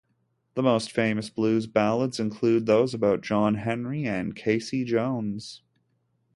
The most famous blues ballads include those about John Henry and Casey Jones.